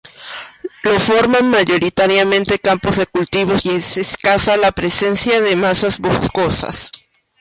Lo forman mayoritariamente campos de cultivo y es escasa la presencia de masas boscosas.